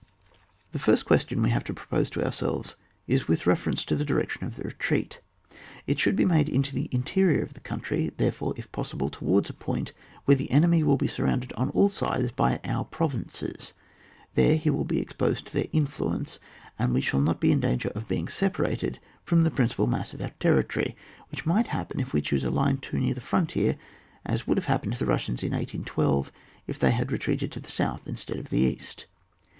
The first question which we have to propose to ourselves is with reference to the direction of the retreat. It should be made into the interior of the country, therefore, if possible, towards a point where the enemy will be sur rounded on aU sides by our provinces ; there he will be exposed to their influence, and we shall not be in danger of being BeparaUd from the principal mass of our territoryy which might happen if we chose a line too near the frontier, as Would have happened to the Bussians in 1812 if they had retreated to the south instead of the east.